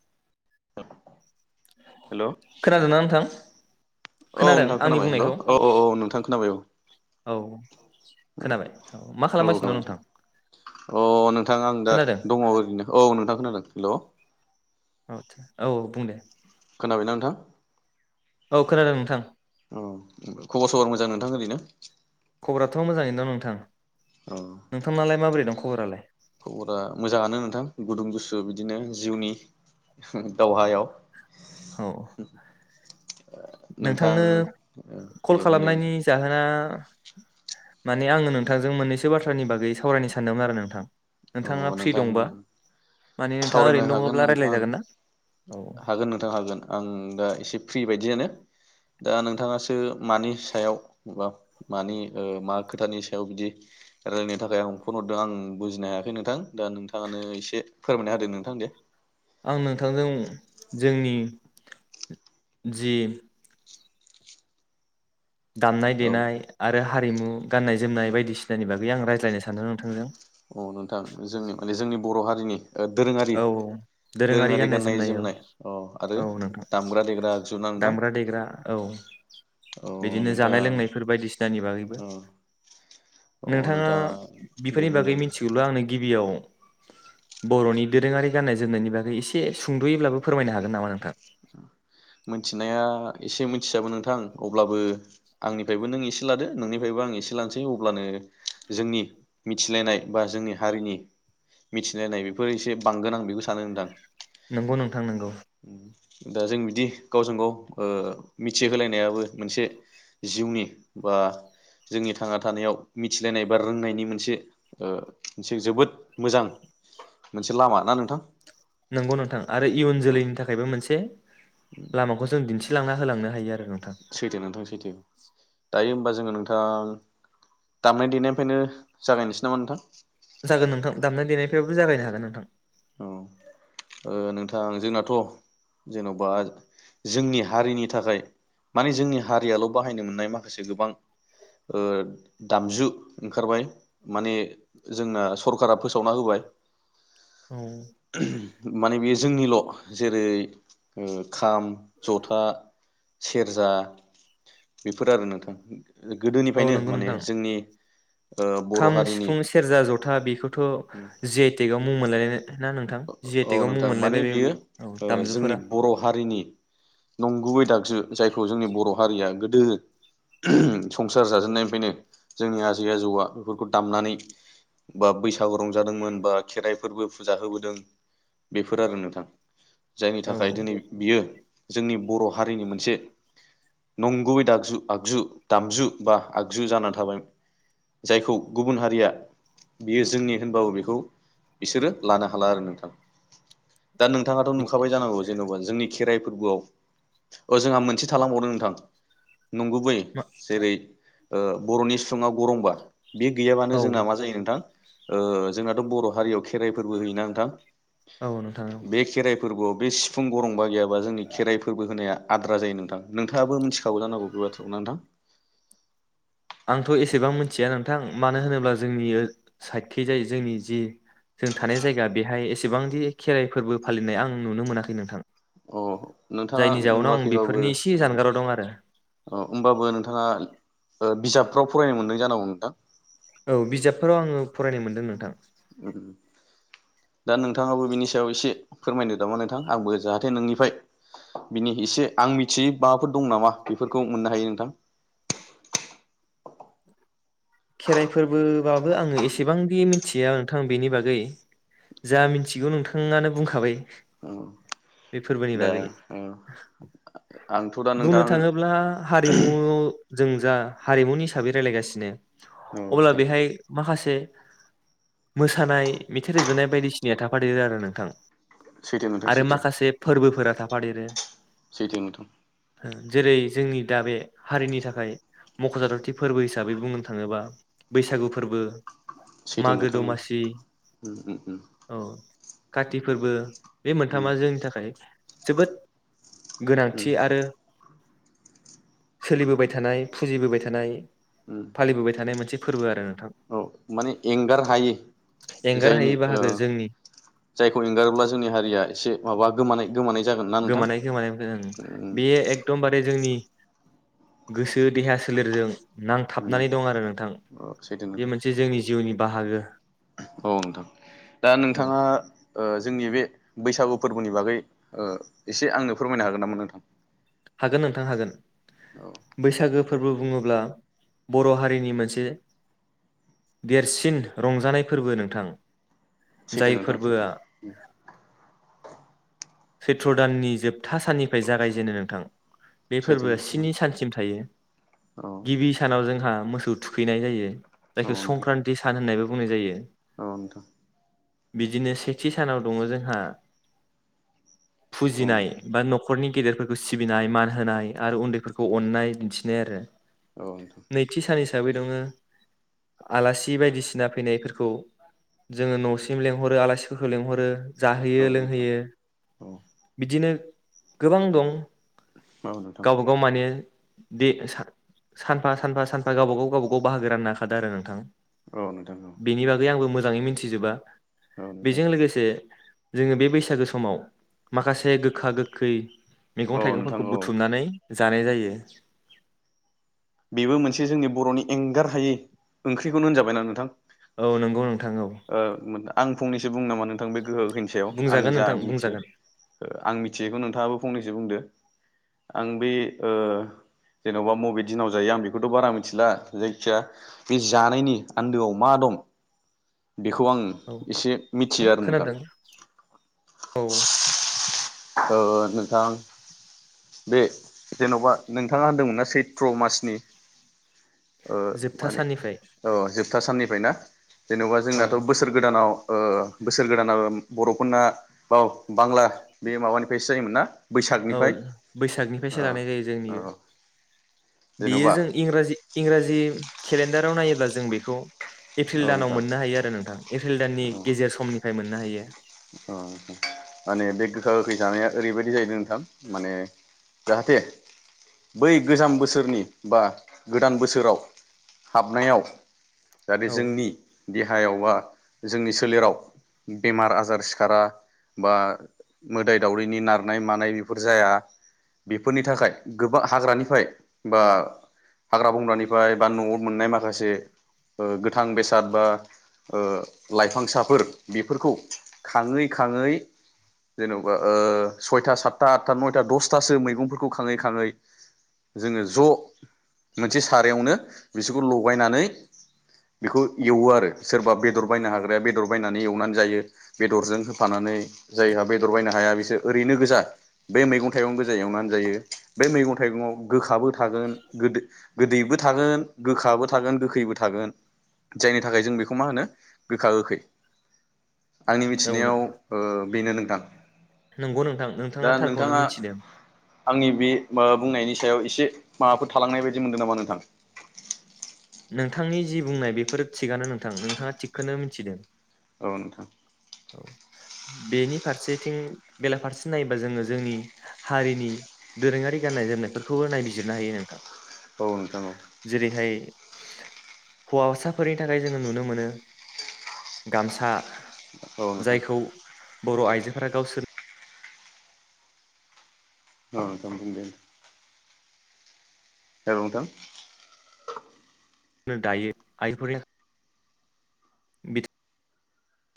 । [inaudible] खोनादोंना नोंथां औ खोनादों नोंथां आंनि खोनाबाय हेल' बुंनायखौ औ औ औ नोंथां खोनाबाय औ औ खोनाबाय औ मा खालामगासिनो दं नोंथां [unintelligible] औ नोंथां आं दा खोनादों दङ ओरैनो औ नोंथां खोनादों हेल' [unintelligible] औ बुं दे खोनाबायना नोंथां औ खोनादों नोंथां अ खबर सबर मोजां नोंथां ओरैनो खबराथ' मोजाङैनो दं नोंथां अ नोंथांनालाय माबोरै दं खबरालाय खबरा मोजाङानो नोंथां गुदुं गुसु बिदिनो जिउनि दावहायाव औ नोंथां नोंथांनो कल दे बुंदो खालामनायनि नोंथां जाहोना माने आङो नोंथांजों मोननैसो बाथ्रानि बागै सावरायनो सानदोंमोन आरो नोंथां अ नोंथाङा फ्रि नोंथां दंबा माने नोंथाङा सावरायनो ओरैनो हागोन दङब्ला नोंथां रायज्लायजागोन ना औ हागोन नोंथां हागोन आं दा एसे फ्रि बायदियानो दा नोंथाङासो मानि सायाव मानि ओ मा खोथानि सायाव बिदि रायलायनो थाखाय आं फन हरदों आं बुजिनो हाया नोंथां दा नोंथाङानो एसे फोरमायना होदो नोंथां दे आं नोंथांजों जोंनि जि दामनाय औ देनाय आरो हारिमु गान्नाय जोमनाय बायदिसिनानि बागै आं रायज्लायनो सानदों नोंथांजों अ नोंथां जोंनि जोंनि माने जोंनि बर' हारिनि ओ दोरोङारि औ दोरोङारि गाननाय जोमनाय औ औ नोंथां दामग्रा देग्रा आगजु ना नोंथां दामग्रा देग्रा औ अ बिदिनो नोंथां जानाय लोंनायफोर बायदिसिनानि बागैबो अ नोंथाङा बिफो दे सोरनि बुंदो बागै नोंथां मिथिगौल' आंनो गिबियाव बर'नि दोरोङारि गाननाय जोमनायनि बागै एसे सुंदुयैब्लाबो फोरमायनो हागोन नामा नोंथां मिनथिनाया एसे मिनथियाबो नोंथां अब्लाबो आंनिफ्रायबो नों एसे लादो नोंनिफ्रायबो आं एसे लानोसै अब्लानो जोंनि मिथिलायनाय बा जोंनि हारिनि मिथिलायनाय बेफोर एसे बांगोन आं बेखौ सानो नोंथां नंगौ नोंथां नंगौ दा जों बिदि गावजों गाव ओ मिथिहोलायनायाबो मोनसे जिउनि बा जोंनि थांना थानायाव मिथिलायनाय बा रोंनायनि मोनसे मोनसे ओ जोबोद मोजां मोनसे लामा ना नोंथां नंगौ नोंथां आरो इयुन जोलैनि थाखायबो मोनसे लामाखौसो दिन [unintelligible] लांना होलांनो हायो आरो नों सैथो नोंथां सैथो दायो होमबा जोङो नोंथां दामनाय देनायनिफ्रायनो जागायनोसै नामा नोंथां जागोन नोंथां दामनाय देनायनिफ्राबो जागायनो हागोन नोंथां औ ओ नोंथां जोंनाथ' जेन'बा जोंनि हारिनि थाखाय माने जोंनि हारियाल' बाहायनो मोननाय माखासे गोबां ओ दामजु ओंखारबाय माने जोंना सरखारा फोसावना होबाय औ [unintelligible] माने बियो जोंनिल' जेरै ओ खाम जथा सेरजा बेफोर आरो नोंथां औ गोदोनिफ्रायनो नंगौ माने नोंथां जोंनि ओ बर' खाम हारिनि सिफुं सेरजा जथा बेखौथ' जि आइ तेकआव मुं मोनलाय अ-अ-औ नोंथां माने बेयो औ ओ जोंनि दामजुफोरा बर' हारिनि नंगुबै दागजु जायखौ जोंनि बर' हारिया गो दो [unintelligible] संसार जाजेननायनिफ्रायनो जोंनि आजै आजौआ बेफोरखौ दामनानै बा बैसागु रंजादोंमोन बा खेराइफोरबो फुजा होबो दों बेफोर आरो नोंथां जायनि औ थाखाय दिनै बियो जोंनि बर' हारिनि मोनसे नंगुबैु दागजु आगजु दामजु बा आगजु जानानै थाबाय जायखौ गुबुन हारिया बियो जोंनि होनबाबो बेखौ बिसोरो लानो हा थाला आरो नोंथां दा नोंथाङाथ' बि नुखाबाय जानांगौ जेनेबा जोंनि खेराइ फोरबोआव औ जोंहा मोनसे थालांबावदों नोंथां नंगुबै मा जेरै ओ बर'नि सिफुङा गरंबा बे गैयाबानो औ जोंना मा जायो नोंथां ओ जोंहाथ' बर' हारियाव खेराइफोरबो होयो ना नोंथां औ नोंथां औ बे खेराइ फोरबोआव बे सिफुं गरंबा गैयाबा जोंनि खेराइ फोरबो होनाया आद्रा जायो नोंथां नोंथाङाबो मिथिखागौ जानांगौ बे बाथ्राखौ नोंथां आंथ' एसेबां मिथिया नों थां मानो होनोब्ला जोंनि साइडखैजाय जोंनि जि जों थानाय जायगा बेहाय एसेबांदि खेराइ फोरबो फालिनाय आं नुनो मोनाखै नोंथां औ नोंथाङा जायनि जाउनाव आं नुवाखैबाबो बेफोरनि एसे औ जानगाराव दं आरो औ होनबाबो नोंथाङा ओ बिजाबफ्राव फरायनो मोनदों जानांगौ नोंथां औ बिजाबफोराव आङो फरायनो मोनदों नोंथां दा नोंथाङाबो बिनि सायाव एसे फोरमायनो नामा नोंथां आंबो जाहाथे नोंनिफ्राय बिनि एसे आं मिथियै माबाफोर दं नामा बेफोरखौ मोननो हायो नोंथां [inaudible] खेराइ फोरबोबाबो आङो एसेबांदि मिथिया नोंथां बेनि बागै जा मिथिगौ नोंथाङानो बुंखाबाय बे फोरबोनि दा बागै औ आंथ' दा बुंनो नोंथां औ थाङोब्ला हारिमु जों जा हारिमुनि हिसाबै रायज्लायगासिनो अब्ला नोंथां बेहाय माखासे [unintelligible] मोसानाय मेथाइ रोजनाय बायदिसिनाया थाफादेरो आरो नोंथां सैथो नोंथां आरो सैथो माखासे फोरबोफोरा था थाफादेरो सैथो नोंथां [unintelligible] जेरै जोंनि दा बे हारिनि थाखाय मख'जाथावथि फोरबो हिसाबै बुंनो थाङोबा बैसागु फोरबो सैथो मागो नोंथां औ दमासि उम उम औ काति फोरबो बे उम मोनथामा जोंनि थाखाय जोबोद उम गोनांथि आरो सोलिबोबाय थानाय फुजिबोबाय थानाय उम फालिबोबाय थानाय मोनसे फोरबो आरो नोंथां औ माने एंगार हायै एंगार जायनि हायै ओ बाहागो जोंनि जायखौ एंगारोब्ला जोंनि हारिया एसे माबा गोमानाय गोमानाय जागोन ना नोंथां गोमानाय खोमानाय उम बेयो एखदमबारे जोंनि गोसो देहा सोलेरजों उम नांथाबनानै दं आरो नोंथां औ सैथो बे नोंथां मोनसे जोंनि जिउनि बाहागो औ नोंथां दा औ नोंथाङा ओ जोंनि बे बैसागु फोरबोनि बागै ओ एसे आंनो फोरमायनो हागोन नामा नोंथां हागोन नोंथां हागोन औ बैसागो दे फोरबो बुङोब्ला बर' हारिनि मोनसे देरसिन रंजानाय फोरबो नोंथां सैथो जाय नोंथां सैथो फोरबोआ सैत्र दाननि जोबथा साननिफ्राय जागायजेनो नोंथां बे सैथो फोरबोआ नोंथां स्नि सानसिम थायो औ गिबि सानाव जोंहा मोसौ थुखैनाय जायो जायखौ नोंथां संक्रान्ति सान होननायबो बुंनाय जायो औ नोंथां बिदिनो सेथि सानाव दङ जोंहा औ फुजिनाय नोंथां बा न'खरनि गेदेरफोरखौ सि सिबिनाय मान होनाय आरो उन्दैफोरखौ अननाय दिन्थिनाय आरो औ नोंथां साबै दङ आलासि बायदिसिना फैनायफोरखौ जोङो न'सिम लेंहरो आलासिफोरखौ लेंहरो जाहोयो औ नोंथां लोंहोयो औ बिदिनो गोबां दं नोंथां गावबा गाव माने दे सानफा सानफा सानफा गावबागाव गावबागाव बाहागो राननो हाखादों आरो नोंथां औ नोंथां औ बेनि बागै आंबो मोजां मोजाङै मिथिजोबा औ नोंथां बेजों लोगोसे जोङो बे बैसागो समाव माखासे गोखा गोखै औ मैगं-थाइगं नोंथां खौ औ बुथुमनानै जानाय जायो बेबो मोनसे जोंनि बर'नि एंगार हायै ओंख्रिखौनो होनजाबायना नोंथां औ नंगौ नोंथां औ आं फंनैसो बुंनो नामा नोंथां बे गोखा गोखैनि सायाव आं बुंजागोन जा नोंथां मिथियो बुंजागोन आं ओ मिथियैखौ नोंथाङाबो फंनैसो बुंदो आं बे ओ जेनेबा मबे दिनाव जायो आं बेखौथ' बारा मिथिला जायखिया बे जानायनि आन्दोआव मा दं बेखौ आं औ एसे मिथियो आरो नोंथां खोनादों औ ओ नोंथां बे जेन'बा नोंथाङा होनदोंमोनना सैथ्र मासनि ओ जोबथा माने साननिफ्राय औ जोब जोबथा साननिफ्राय ना जेनेबा औ जोंनाथ' बोसोर गोदानाव ओ बोसोर गोदाना बर'फोरना बा-बांला बे माबानिफ्रायसो जायोमोन ना औ औ बैसागनिफ्रायसो लानाय जायो जोंनि औ बे बेयो जेन'बा जों इंराजि इंराजि केलेन्डाराव नायोब्ला जों बेखौ औ एप्रिल दानाव नोंथां मोननो हायो आरो नोंथां एप्रिल दाननि गेजेर समनिफ्राय मोन मोननो हायो ओ माने बे गोखा गोखै जानाया ओरैबायदि जाहैदों नोंथां माने जाहाथे बै गोजाम बोसोरनि बा गोदान बोसोराव हाबनायाव जाथे औ जोंनि देहायावबा जोंनि सोलेराव बेमार आ आसार सिखारा बा मोदाय दावरैनि नारनाय मानाय बेफोर जाया बेफोरनि थाखाय गोबां हाग्रानिफ्राय बा हाग्रा बंग्रानिफ्राय बा न'आव मोननाय माखासे ओ गोथां बेसाद बा ओ लाइफांसाफोर बेफोरखौ खाङै खाङै जेन'बा ओ सयथा सातथा आठथा नयथा दसथासो मैगंफोरखौ खाङै खाङै जोङो ज' मोनसे सारायावनो बिसोरखौ लगायनानै बेखौ एवो आरो सोरबा बेदर बायनो हाग्राया बेदर बायनानै एवनानै जायो बेदरजों होफानानै जायहा बेदर बायनो हाया बिसोर ओरैनो गोजा बे मैगं थाइगं गोजा एवनानै जायो बे मैगं थाइगङाव गोखाबो थागोन गोदो गोदैबो थागोन गोखाबो थागोन गोखैबो थागोन जायनि थाखाय जों बेखौ मा होनो गोखा गोखै आंनि औ मिथिनायाव ओ बेनो नों थां नंगौ नोंथां दा थारखौनो नोंथाङा मिथिदों आंनि बे माबा बुंनायनि सायाव एसे माबाफोर थालांनाय बायदि मोनदों नामा नोंथां नोंथांनि जि बुंनाय बेफोरो थिगानो नोंथां नोंथाङा थिगखौनो मिथिदों औ नोंथां औ बेनि फारसेथिं बेलाफारसे नायोबा जोङो जोंनि हारिनि दोरोङारि गाननाय जोमनायफोरखौबो नायबिजिरनो हायो नोंथां औ नोंथां औ जेरैहाय हौवासाफोरनि थाखाय जोङो नुनो मोनो गामसा औ नोंथां जायखौ बर' आइजों [unintelligible] गावसोर [unintelligible] औ नोंथां नो दायो [unintelligible]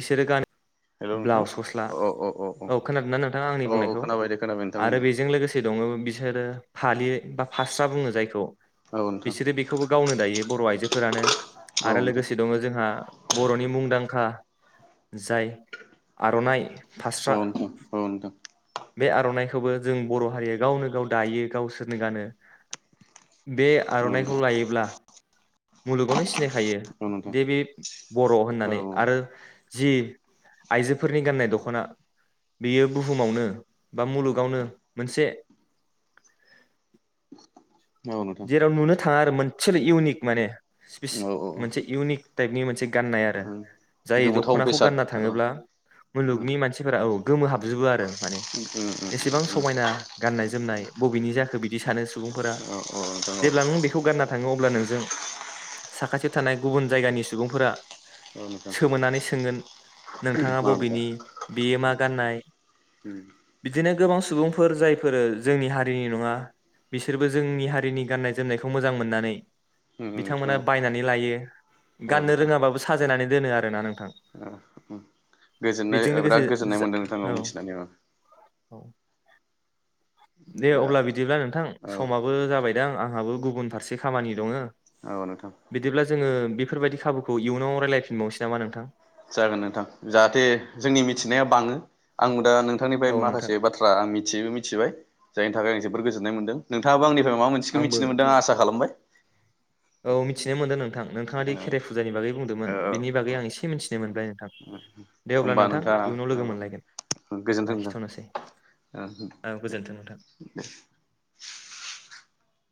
इसोर गान हेल' नोंथां ब्लाउस गस्ला औ खोनादोंना नोंथाङा आंनि औ बुंनायखौ खोनाबाय दे खोनाबाय नोंथां बुं आरो दे बेजों लोगोसे दङ बिसोरो फालि बा फास्रा बुङो जायखौ औ नोंथां बिसोरो बेखौबो गावनो दायो बर' आइजोफोरानो औ आरो नोंथां लोगोसे दङ जोंहा बर'नि मुंदांखा जाय आर'नाइ फास्रा औ नोंथां औ नोंथां खौबो जों बर' हारिया गावनो गाव दायो गावसोरनो गानो बे औ आर'नाइखौ नोंथां लायोब्ला मुलुगावनो सिनायखायो औ नोंथां दि बे बर' औ होननानै आरो जि आइजोफोरनि गाननाय दख'ना बेयो बुहुमावनो बा मुलुगावनो मोनसे औ नोंथां जेराव नुनो थाङा आरो मोनसेल' इउनिक माने औ औ मोनसे इउनिक टाइपनि मोनसे गाननाय आरो औ जाय गोमोथाव दखनाखौ बेसाद गानना औ औ थाङोब्ला औ मुलुगनि मानसिफोरा औ गोमोहाबजोबो आरो माने नोंथां एसेबां समायना गाननाय जोमनाय बबेनि जाखो बिदि सानो सुबुंफोरा औ औ नोंथां जेब्ला औ नों बेखौ गानना थाङो अ ब्ला नोंजों साखाथियाव थानाय गुबुन जायगानि सुबुंफोरा नोंथां नोंथां सोमोनानै सोंगोन नोंथाङा औ औ बबेनि बेयो मा गाननाय बिदिनो गोबां सम सुबुंफोर जायफोरो जोंनि हारिनि नङा बिसोरबो जोंनि हारिनि गाननाय जोमनायखौ मोजां मोननानै बिथांमोना बायनानै लायो गाननो नोंथां रोङाबाबो साजायनानै दोनो आरोना नोंथां गोजोननाय बेजों लोगोसे बिराद गोजोननाय जा मोनदों नोंथां औ मिथिनानै औ दे दा अब्ला बिदिब्ला नोंथां औ समाबो जाबा दां आंहाबो गुबुन फारसे खामानि दङो औ नोंथां बिदिब्ला जोङो बेफोरबायदि खाबुखौ इयुनाव राइलाइ फिनबाय नोसै नामा नोंथां जागोन नोंथां जाहाथे जोंनि मिथिनाया बाङो आं दा नोंथांनिफ्राय औ नोंथां माखासे बाथ्रा आं मिथियैबो मिथिबाय जायनि थाखाय आं बोर गोजोननाय मोनदों नोंथाङाबो आंनि माबा मोनसेखौ आंबो मिथिनो मोनदों आं आसा खालामबाय औ मिथिनो मोनदों नोंथां नोंथाङा औ दि खेराइ फुजानि बागै बुंदोंमोन औ बेनि औ बागै आं एसे मिन्थि नो मोनबाय नोंथां दे अब्ला होमबा नोंथां नोंथाङा इयुनाव औ लोगो मोनलायगोन गोजोन्थों नोंथां लाखिथ'नोसै औ गोजोनथों नोंथां